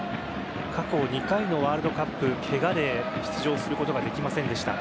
過去２回のワールドカップケガで出場することができませんでした。